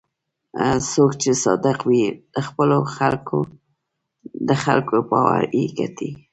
څوک چې صادق وي، د خلکو باور یې ګټي.